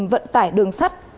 vận tải đường sắt